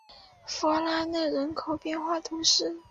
弗拉内人口变化图示